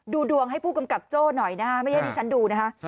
ดูดวงให้ผู้กำกับโจ้หน่อยนะฮะไม่ใช่ที่ฉันดูนะคะ